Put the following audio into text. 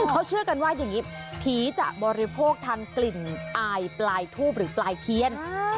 เขาเชื่อกันว่าอย่างนี้ผีจะบริโภคทางกลิ่นอายปลายทูบหรือปลายเทียน